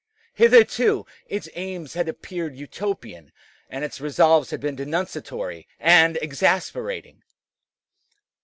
Hitherto its aims had appeared Utopian, and its resolves had been denunciatory and exasperating.